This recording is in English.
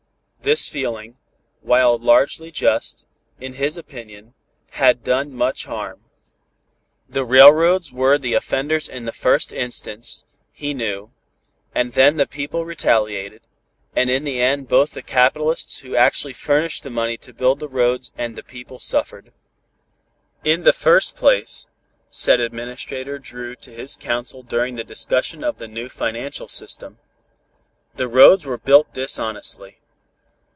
This feeling while largely just, in his opinion, had done much harm. The railroads were the offenders in the first instance, he knew, and then the people retaliated, and in the end both the capitalists who actually furnished the money to build the roads and the people suffered. "In the first place," said Administrator Dru to his counsel during the discussion of the new financial system, "the roads were built dishonestly.